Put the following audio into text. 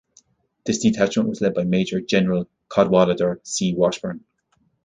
This detachment was led by Major General Cadwallader C. Washburn.